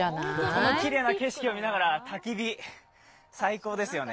このきれいな景色を見ながらたき火、最高ですよね。